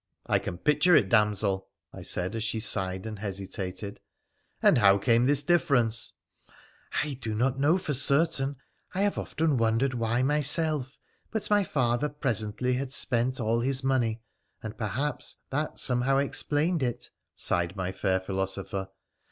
' I can picture it, damsel,' I said, as she sighed and hesitated ;• and how came this difference ?'' I do not know for certain — I have often wondered why, myself — but my father presently had spent all his money, and perhaps that somehow explained it,' sighed my fair philosopher.